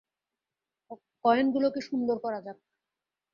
কয়েনগুলোকে সুন্দর করা যাক।